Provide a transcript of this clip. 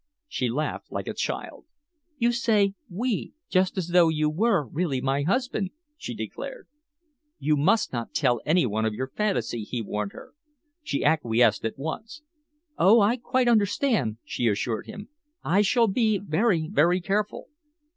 She laughed like a child. "You say 'we' just as though you were really my husband," she declared. "You must not tell any one else of your fancy," he warned her. She acquiesced at once. "Oh, I quite understand," she assured him. "I shall be very, very careful.